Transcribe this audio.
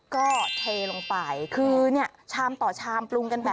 ก็เทลงไปคือเนี่ยชามต่อชามปรุงกันแบบ